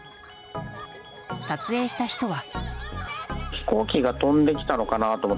撮影した人は。